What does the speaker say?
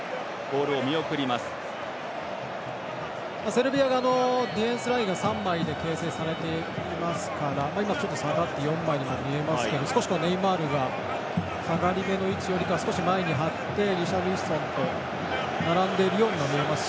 セルビアがディフェンスラインを３枚で形成されていますからちょっと下がって４枚にも見えますがちょっとネイマールが下がりめの位置よりは前に張って、リシャルリソンに並んでいるように見えます。